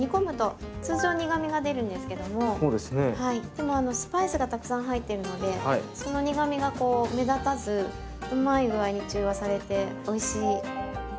でもスパイスがたくさん入っているのでその苦みがこう目立たずうまいぐあいに中和されておいしい。